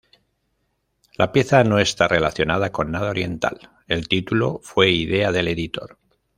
La pieza no está relacionada con nada oriental; el título fue idea del editor.